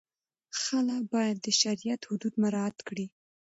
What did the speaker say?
خلع باید د شریعت حدود مراعت کړي.